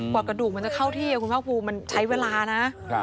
กว่ากระดูกมันจะเข้าที่คุณภาคภูมิมันใช้เวลานะ